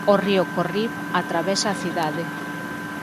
O río Corrib atravesa a cidade.